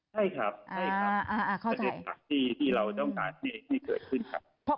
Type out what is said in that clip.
ใช่ครับประเด็นที่เราต้องการให้เกิดขึ้นครับ